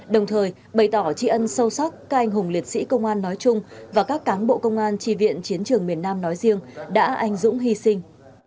đồng thời bày tỏ tri ân sâu sắc các anh hùng liệt sĩ công an nói chung và các cán bộ công an tri viện chiến trường miền nam nói riêng đã anh dũng hy sinh